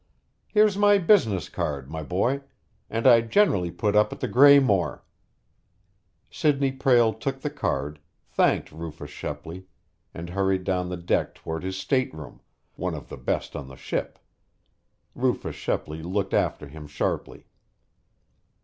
Here's my business card, my boy. And I generally put up at the Graymore." Sidney Prale took the card, thanked Rufus Shepley, and hurried down the deck toward his stateroom, one of the best on the ship. Rufus Shepley looked after him sharply.